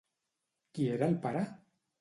Qui era el pare?